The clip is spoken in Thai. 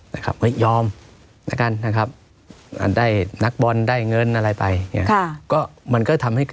นะครับเฮ้ยยอมนะครับได้นักบอลได้เงินอะไรไปค่ะก็มันก็ทำให้